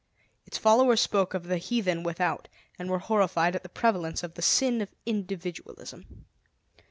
Its followers spoke of the heathen without, and were horrified at the prevalence of the sin of individualism.